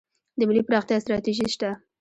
د ملي پراختیا ستراتیژي شته؟